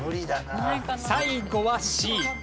最後はＣ。